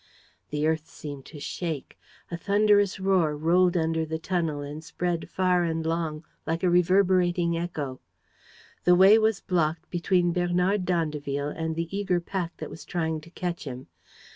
The earth seemed to shake. A thunderous roar rolled under the tunnel and spread far and long, like a reverberating echo. The way was blocked between Bernard d'Andeville and the eager pack that was trying to catch him.